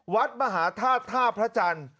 วัดมหาธาตุท่าพระจันทร์